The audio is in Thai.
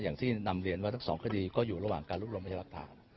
อย่างที่นำเรียนว่าทั้ง๒คดีก็อยู่ระหว่างการรุกลงพยาบาลภาพ